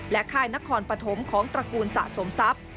ค่ายนครปฐมของตระกูลสะสมทรัพย์